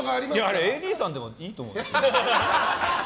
あれＡＤさんでもいいと思うんですよね。